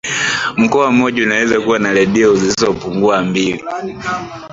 mkoa mmoja unaweza kuwa na redio zisizopungua mbili